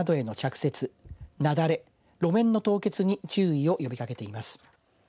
雪崩路面の凍結に注意を呼びかけています。